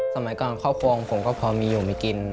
สมัยก่อนครอบครัวของผมก็พอมีอยู่มีกิน